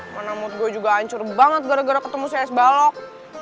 mana mood gue juga hancur banget gara gara ketemu saya es balok